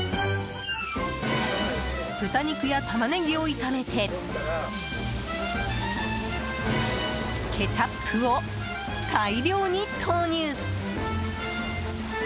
豚肉やタマネギを炒めてケチャップを大量に投入！